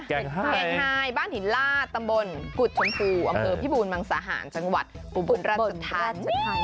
เพลงไฮบ้านหินลาดตำบลกุฎชมพูอำเภอพิบูรมังสาหารจังหวัดอุบลราชธานี